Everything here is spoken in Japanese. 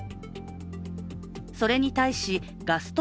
それに対し、ガスト